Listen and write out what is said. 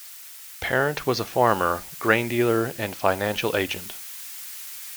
Parent was a farmer, grain dealer and financial agent.